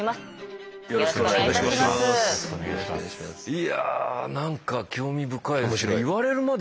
いや何か興味深いですね。